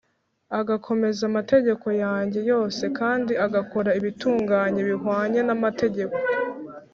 agakomeza amategeko yanjye yose kandi agakora ibitunganye bihwanye n’amategeko,